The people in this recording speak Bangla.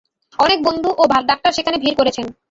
অনেক বন্ধু ও ডাক্তার সেখানে ভিড় করেছেন।